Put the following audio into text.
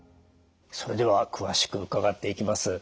それでは詳しく伺っていきます。